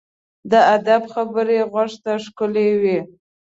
د ادب خبرې غوږ ته ښکلي وي.